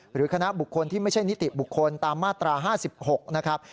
หรือคณะบุคคลที่ไม่ใช่นิติบุคคลตามมาตรา๕๖นะครับ